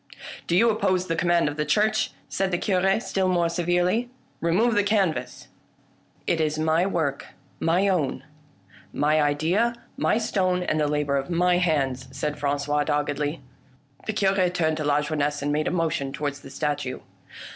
" Do you oppose the command of the Church ?" said the Cure, still more severely ;" remove the can vas!" A WORKER IN STONE 147 " It is my work — my own : my idea, my stone, and the labour of my hands," said Francois doggedly. The Cure turned to Lajeunesse and made a motion towards the statue.